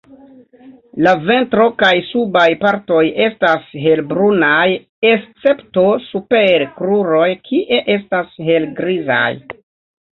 La ventro kaj subaj partoj estas helbrunaj, escepto super kruroj kie estas helgrizaj.